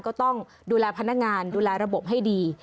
ก็ต้องดูแลพนักงานดูแลระบบให้ดี